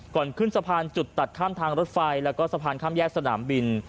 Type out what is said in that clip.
ขึ้นสะพานจุดตัดข้ามทางรถไฟแล้วก็สะพานข้ามแยกสนามบิน